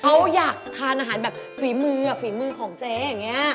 เขาอยากทานอาหารแบบฝีมือฝีมือของเจ๊อย่างนี้